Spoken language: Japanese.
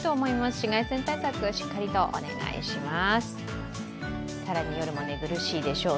紫外線対策しっかりとお願いします。